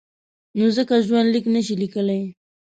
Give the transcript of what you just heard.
نو ځکه ژوندلیک نشي لیکلای.